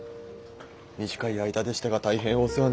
短い間でしたが大変お世話になりました。